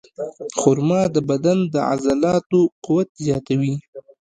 خرما د بدن د عضلاتو قوت زیاتوي.